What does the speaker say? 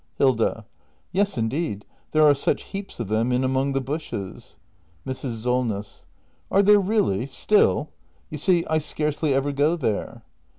Hilda. Yes, indeed! There are such heaps of them in among the bushes. Mrs. Solness. Are there really ? Still ? You see I scarcely ever go there.